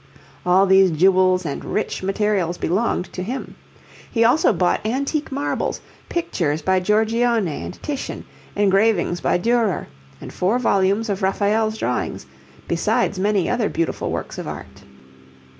All these jewels and rich materials belonged to him. He also bought antique marbles, pictures by Giorgione and Titian, engravings by Durer, and four volumes of Raphael's drawings, besides many other beautiful works of art.